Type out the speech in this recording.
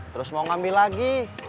terus mau ngambil lagi